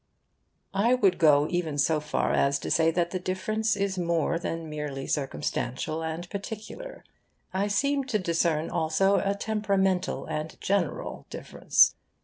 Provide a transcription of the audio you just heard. I would go even so far as to say that the difference is more than merely circumstantial and particular. I seem to discern also a temperamental and general difference.